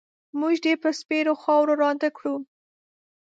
مونږ دې په سپېرو خاورو ړانده کړو